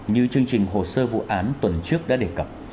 như chương trình hồ sơ vụ án tuần trước đã đề cập